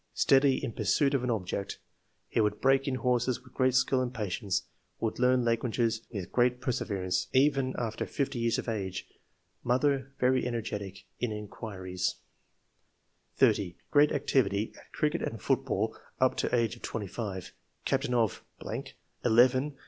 Steady in pursuit of an object. He would break in horses with great skill and patience ; would learn languages with great perseverance, even after fifty years of age. Mother — Very energetic in ... inquiries." 30. " Great activity at cricket and football up to age of twenty five. Captain of .... eleven 92 ENGLISH MEN OF SCIENCE. [chap.